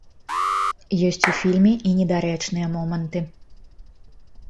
Ёсць у фільме і недарэчныя моманты.